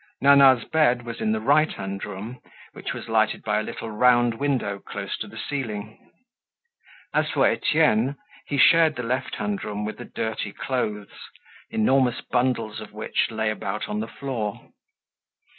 Nana's bed was in the right hand room, which was lighted by a little round window close to the ceiling. As for Etienne, he shared the left hand room with the dirty clothes, enormous bundles of which lay about on the floor.